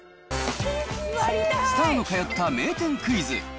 スターの通った名店クイズ。